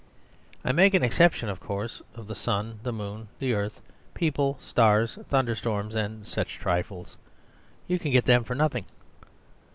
I make an exception, of course, of the sun, the moon, the earth, people, stars, thunderstorms, and such trifles. You can get them for nothing.